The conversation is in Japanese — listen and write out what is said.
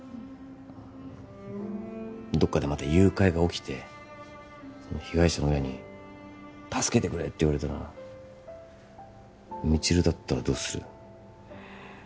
うんどっかでまた誘拐が起きて被害者の親に助けてくれって言われたら未知留だったらどうする？